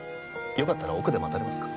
よかったら奥で待たれますか？